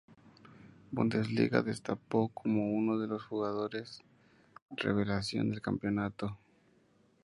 Bundesliga se destapó como uno de los jugadores revelación del campeonato.